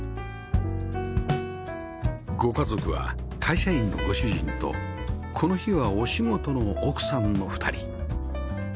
ご家族は会社員のご主人とこの日はお仕事の奥さんの２人